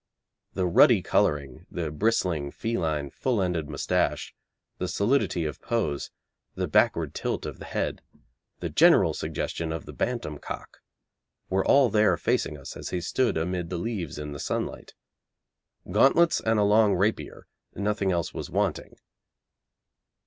The ruddy colouring, the bristling feline full ended moustache, the solidity of pose, the backward tilt of the head, the general suggestion of the bantam cock, were all there facing us as he stood amid the leaves in the sunlight. Gauntlets and a long rapier nothing else was wanting.